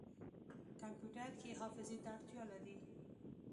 کمپیوټر ښې حافظې ته اړتیا لري.